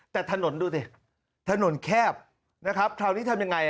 แต่ถนนดูสิถนนแคบนะครับคราวนี้ทำยังไง